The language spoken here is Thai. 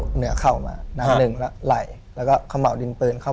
หนึ่งล้ายแล้วก็เข้าบาวตา